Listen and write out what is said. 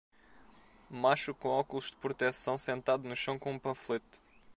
Macho com óculos de proteção sentado no chão com um panfleto.